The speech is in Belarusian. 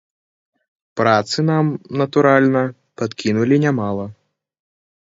Працы нам, натуральна, падкінулі не мала.